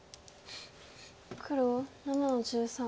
黒７の十三切り。